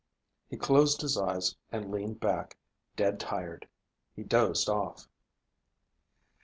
He closed his eyes and leaned back, dead tired. He dozed off.